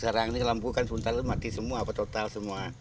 sekarang ini lampu kan sementara mati semua total semua